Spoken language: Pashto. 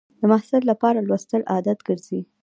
د محصل لپاره لوستل عادت ګرځي.